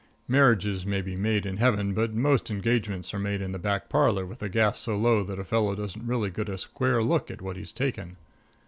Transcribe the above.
Marriages may be made in Heaven, but most engagements are made in the back parlor with the gas so low that a fellow doesn't really get a square look at what he's taking.